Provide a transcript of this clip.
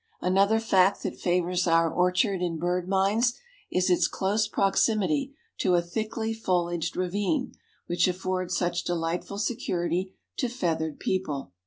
Another fact that favors our orchard in bird minds, is its close proximity to a thickly foliaged ravine which affords such delightful security to feathered people.